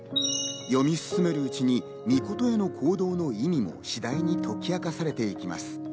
読み進めるうちに扇言への行動の意味も次第に解き明かされていきます。